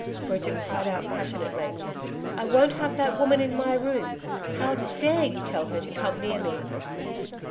Bridget cried out passionately: 'I won't have that woman in my room. How dare you tell her to come near me.'